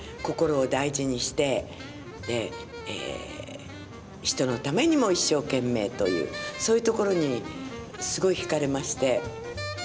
心を大事にして人のためにも一生懸命というそういうところにすごい引かれまして。